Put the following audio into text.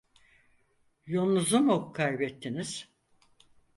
Yolunuzu mu kaybettiniz?